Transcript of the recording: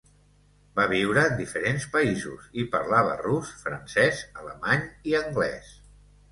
Va viure en diferents països, i parlava rus, francès, alemany i anglès.